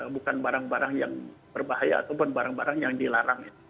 bukan barang barang yang berbahaya ataupun barang barang yang dilarang